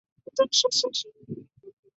这将使太空局拥有稳定的资金汇集。